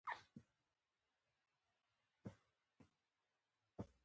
زه ستا ماما يم.